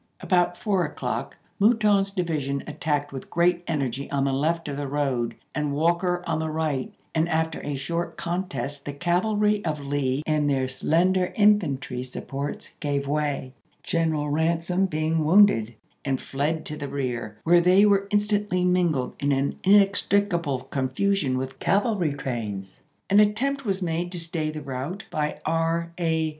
About Apr. 8, 1864. four o'clock Mouton's division attacked with great energy on the left of the road and Walker on the right, and after a short contest the cavalry of Lee and their slender infantry supports gave way, — General Ransom being wounded, — and fled to the rear, where they were instantly mingled in an inex tricable confusion with the cavalry trains. An at tempt was made to stay the rout by E. A.